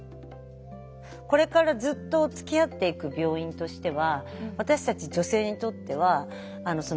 これからずっとつきあっていく病院としては私たち絶対行ってよみんなね。